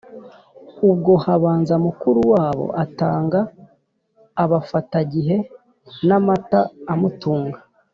Ubwo habanza mukuru wabo; atanga abafatagihe n’amata amutunga,